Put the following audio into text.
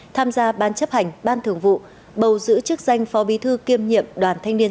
tham gia ban chấp hành ban thường vụ bầu giữ chức danh phó bí thư kiêm nhiệm đoàn thanh niên